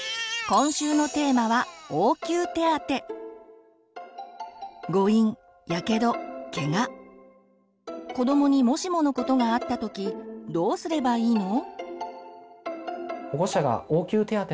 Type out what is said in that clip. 今週のテーマは子どもにもしものことがあったときどうすればいいの？